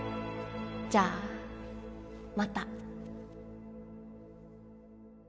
じゃあまた。